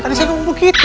tadi saya nunggu gitu